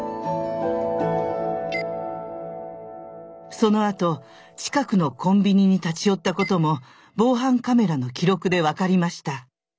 そのあと近くのコンビニに立ち寄ったことも防犯カメラの記録で分かりました。